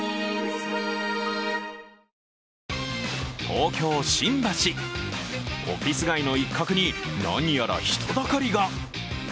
東京・新橋、オフィス街の一角に何やら人だかりが。